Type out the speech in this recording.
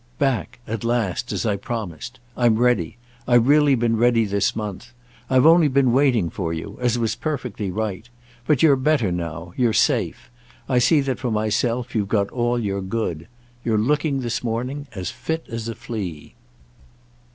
"Back, at last, as I promised. I'm ready—I've really been ready this month. I've only been waiting for you—as was perfectly right. But you're better now; you're safe—I see that for myself; you've got all your good. You're looking, this morning, as fit as a flea."